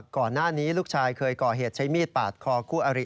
ก่อนหน้านี้ลูกชายเคยก่อเหตุใช้มีดปาดคอคู่อริ